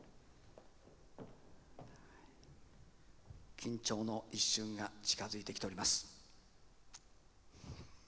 緊張の一瞬が近づいてきております。